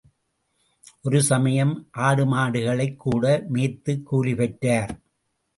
ஒரு சமயம் ஆடுமாடுகளைக் கூட மேய்த்துக் கூலி பெற்றார்!